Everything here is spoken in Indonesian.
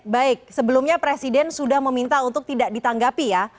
baik sebelumnya presiden sudah meminta untuk tidak ditanggapi ya